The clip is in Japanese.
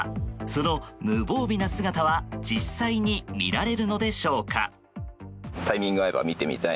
その無防備な姿は実際に見られるのでしょうか。